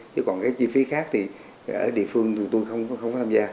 chứ còn cái chi phí khác thì ở địa phương tụi tôi không có tham gia